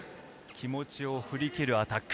気持ちを振り切るアタック。